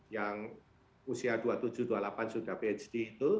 yang usia dua puluh tujuh dua puluh delapan sudah bhd itu